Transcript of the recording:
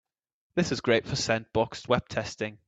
This is great for sandboxed web testing.